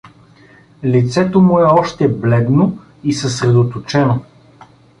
Лицето му е още бледно и съсредоточено.